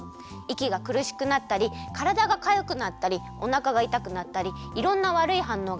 いきがくるしくなったりからだがかゆくなったりおなかがいたくなったりいろんなわるいはんのうがでちゃうんだって。